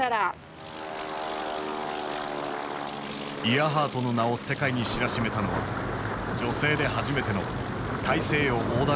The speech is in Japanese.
イアハートの名を世界に知らしめたのは女性で初めての大西洋横断飛行だった。